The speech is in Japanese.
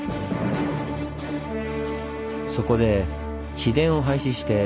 そこで市電を廃止して地下鉄に。